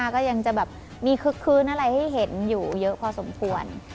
ก็ยังจะแบบมีคึกคืนอะไรให้เห็นอยู่เยอะพอสมควร